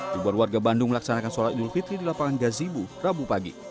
ribuan warga bandung melaksanakan sholat idul fitri di lapangan gazibu rabu pagi